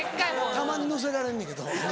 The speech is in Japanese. たまに乗せられんのやけど遅い。